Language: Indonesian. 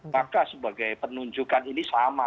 maka sebagai penunjukan ini sama